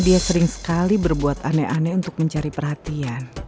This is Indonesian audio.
dia sering sekali berbuat aneh aneh untuk mencari perhatian